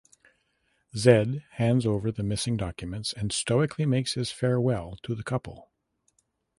Z hands over the missing documents and stoically makes his farewell to the couple.